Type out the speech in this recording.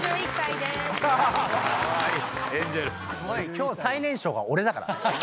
今日最年少が俺だからね。